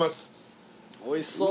おいしそう。